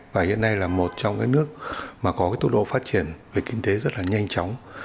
và hiện nay là một trong các nước mà có cái tốc độ phát triển về kinh tế rất là nhanh chóng